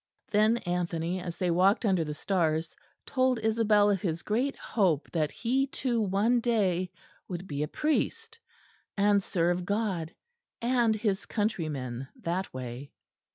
Then Anthony, as they walked under the stars, told Isabel of his great hope that he, too, one day would be a priest, and serve God and his countrymen that way.